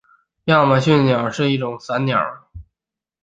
亚马逊伞鸟是一种伞鸟。